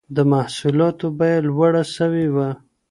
د محصولاتو بيه لوړه سوي وه.